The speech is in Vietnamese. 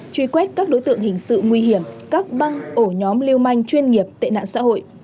truy quét các đối tượng hình sự nguy hiểm các băng ổ nhóm liêu manh chuyên nghiệp tệ nạn xã hội